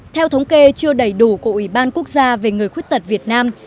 theo thống kê chưa đầy đủ của ủy ban quốc gia về người khuyết tật việt nam